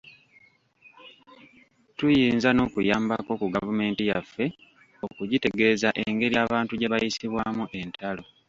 Tuyinza n’okuyambako ku gavumenti yaffe okugitegeeza engeri abantu gye bayisibwamu entalo.